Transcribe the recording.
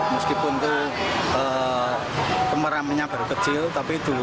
meskipun itu kemeramannya baru kecil tapi itu